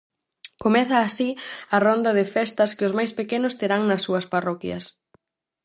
Comeza así a ronda de festas que os máis pequenos terán nas súas parroquias.